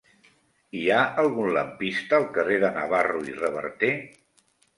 Hi ha algun lampista al carrer de Navarro i Reverter?